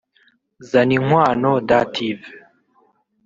Zaninkwano Dative